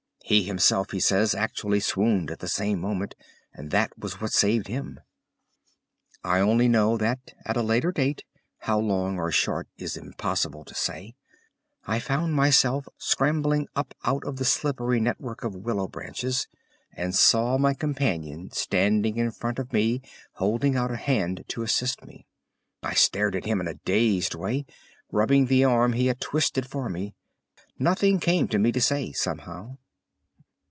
He himself, he says, actually swooned at the same moment, and that was what saved him. I only know that at a later date, how long or short is impossible to say, I found myself scrambling up out of the slippery network of willow branches, and saw my companion standing in front of me holding out a hand to assist me. I stared at him in a dazed way, rubbing the arm he had twisted for me. Nothing came to me to say, somehow.